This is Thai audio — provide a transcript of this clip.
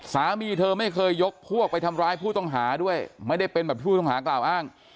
สามีเธอไม่เคยยกพวกไปทำร้ายผู้ต้องหาด้วยไม่ได้เป็นแบบผู้ต้องหากล่าวอ้าง